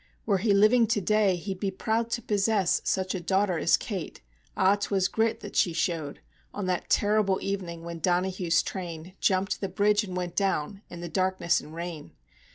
Were he living to day, he'd be proud to possess Such a daughter as Kate. Ah! 'twas grit that she showed On that terrible evening when Donahue's train Jumped the bridge and went down, in the darkness and rain.